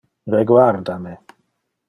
Reguarda me.